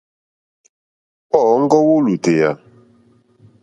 Wɔ́ɔ̌ŋɡɔ́ wó lùtèyà.